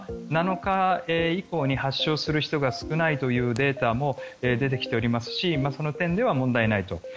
７日以降に発症する人が少ないというデータも出てきておりますしその点では問題ないと。